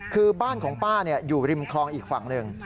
คือบ้านของป้าอยู่ริมคลองอีกฝั่งหนึ่ง